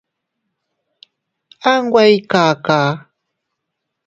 A nwe ii kakaa.